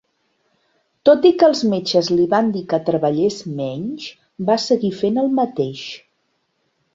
Tot i que els metges li van dir que treballés menys, va seguir fent el mateix.